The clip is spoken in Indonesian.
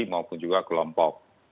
maupun juga kelompok